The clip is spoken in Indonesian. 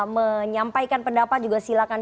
menyampaikan pendapat juga silahkan